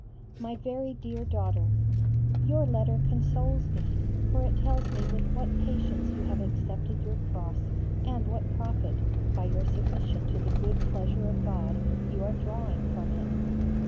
] MY VERY DEAR DAUGHTER, Your letter consoles me, for it tells me with what patience you have accepted your cross, and what profit, by your submission to the good pleasure of God, you are drawing from it.